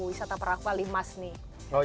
wisata perahu alimas nih